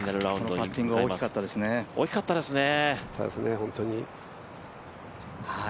このパッティングは大きかったですね。